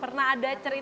pernah ada cerita